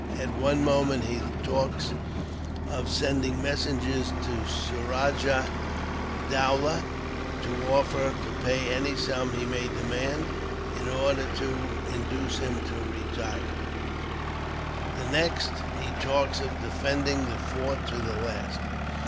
At one moment he talks of sending messengers to Suraja Dowlah, to offer to pay any sum he may demand, in order to induce him to retire; the next he talks of defending the fort to the last.